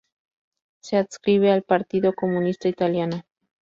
Se adscribe al Partido Comunista Italiano.